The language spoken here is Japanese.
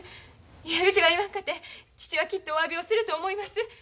いえうちが言わんかて父はきっとおわびをすると思います。